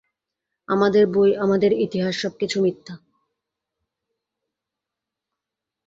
আমাদের বই, আমাদের ইতিহাস, সবকিছু মিথ্যা।